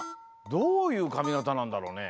どういうかみがたなんだろうね。